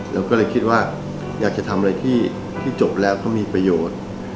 เราก็เลยคิดว่าอยากจะทำอะไรที่จบแล้วเขามีประโยชน์